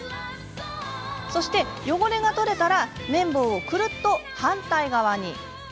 そして汚れが取れたら綿棒を、くるっと反対側に。